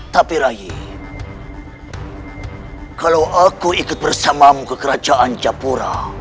tapi ray kalau aku ikut bersamamu ke kerajaan japura